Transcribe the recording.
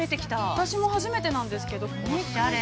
◆私も初めてなんですけど、ここ。